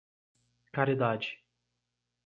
Caridade